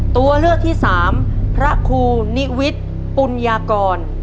ตัวเลือกที่สามพระครูนิวิทย์ปุญญากร